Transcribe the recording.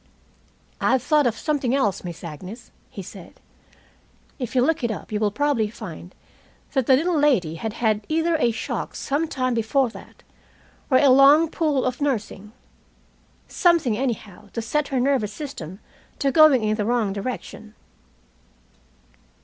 "I've thought of something else, Miss Agnes," he said. "If you'll look it up you will probably find that the little lady had had either a shock sometime before that, or a long pull of nursing. Something, anyhow, to set her nervous system to going in the wrong direction."